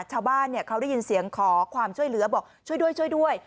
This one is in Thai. ชาวบ้านเขาได้ยินเสียงขอความช่วยเหลือบอกช่วยด้วยช่วยด้วย